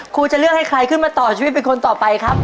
จะเลือกให้ใครขึ้นมาต่อชีวิตเป็นคนต่อไปครับ